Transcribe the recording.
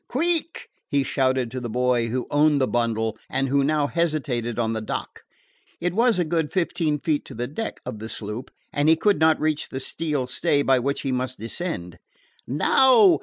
Queeck!" he shouted to the boy who owned the bundle and who now hesitated on the dock. It was a good fifteen feet to the deck of the sloop, and he could not reach the steel stay by which he must descend. "Now!